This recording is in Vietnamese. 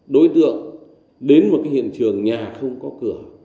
đối tượng đến một hiện trường nhà không có cửa